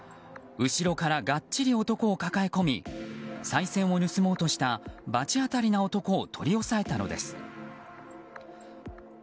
後ろから、がっちり男を抱え込みさい銭を盗もうとした罰当たりな男を取り押さえたのです。